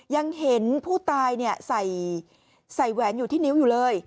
ยังเห็นผู้ตายใส่แหวนอยู่ที่นิ้วอยู่เลย